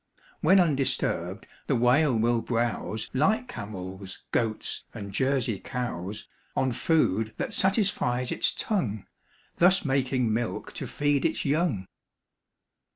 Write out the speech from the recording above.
When undisturbed, the Whale will browse Like camels, goats, and Jersey cows, On food that satisfies its tongue, Thus making milk to feed its young.